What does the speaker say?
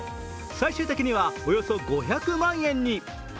最終的にはおよそ５００万円に。